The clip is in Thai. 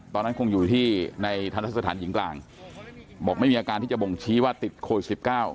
ตอนนั้นคงอยู่ที่ในทันทะสถานหญิงกลางบอกไม่มีอาการที่จะบ่งชี้ว่าติดโควิด๑๙